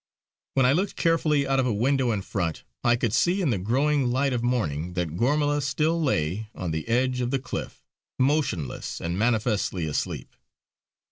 When I looked carefully out of a window in front, I could see in the growing light of morning that Gormala still lay on the edge of the cliff, motionless and manifestly asleep.